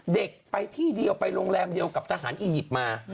เด็กไปที่เดียวไปโรงแรมเดียวกับทหารอียิปต์มา